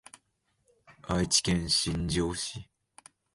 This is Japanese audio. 愛知県新城市